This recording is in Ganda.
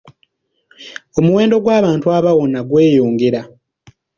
Omuwendo gw'abantu abawona gweyongera.